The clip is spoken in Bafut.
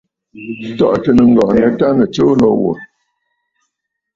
Tɔ̀ʼɔ̀tə̀ nɨŋgɔ̀ɔ̀ nyâ tâ nɨ̀ tsuu lǒ wò.